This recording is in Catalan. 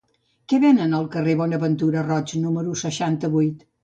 Què venen al carrer de Bonaventura Roig número seixanta-vuit?